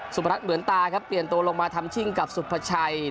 พรัฐเหมือนตาครับเปลี่ยนตัวลงมาทำชิ่งกับสุภาชัย